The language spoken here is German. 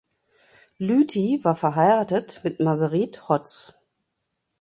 Lüthi war verheiratet mit Marguerite Hotz.